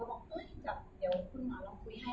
แล้วเหมือน